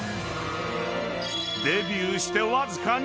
［デビューしてわずか２年］